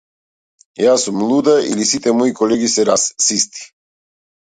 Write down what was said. Јас сум луда или сите мои колеги се расисти?